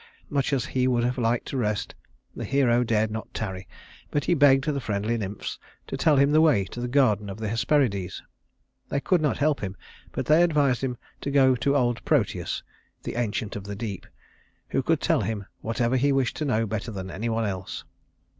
Much as he would have liked to rest, the hero dared not tarry; but he begged the friendly nymphs to tell him the way to the Garden of the Hesperides. They could not help him, but they advised him to go to old Proteus, "the Ancient of the Deep," who could tell him whatever he wished to know better than any one else.